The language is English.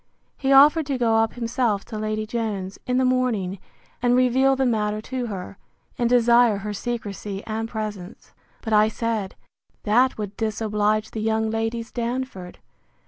He offered to go himself to Lady Jones, in the morning, and reveal the matter to her, and desire her secrecy and presence; but I said, That would disoblige the young Ladies Darnford.